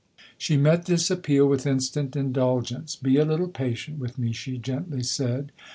She met this appeal with instant indulgence. "Be a little patient with me," she gently said.